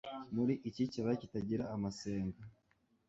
muri iki kibaya kitagira amasenga